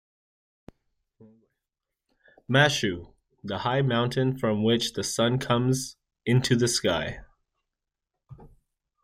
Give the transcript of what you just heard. Mashu, the high mountain from which the sun comes into the sky.